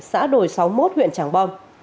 xã đồi sáu mươi một huyện tràng bom